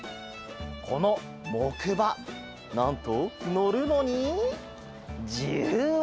このもくばなんとのるのに１０円！